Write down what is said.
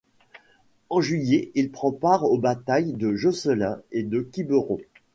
En juillet, il prend part aux batailles de Josselin et de Quiberon.